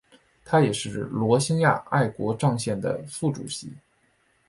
他也是罗兴亚爱国障线的副主席。